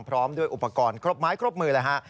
พร้อมด้วยอุปกรณ์ครบไม้ครบมือเลยฮะ